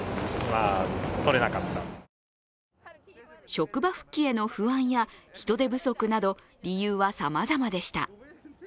職場復帰への不安や人手不足など理由はさまざまでした。